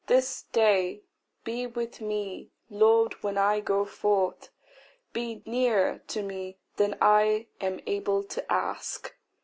This day be with me, Lord, when I go forth, Be nearer to me than I am able to ask.